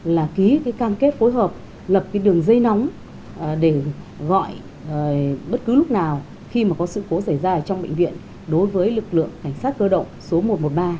là ký cái cam kết phối hợp lập cái đường dây nóng để gọi bất cứ lúc nào khi mà có sự cố xảy ra ở trong bệnh viện đối với lực lượng cảnh sát cơ động số một trăm một mươi ba